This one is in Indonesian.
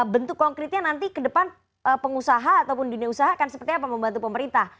bentuk konkretnya nanti ke depan pengusaha ataupun dunia usaha akan seperti apa membantu pemerintah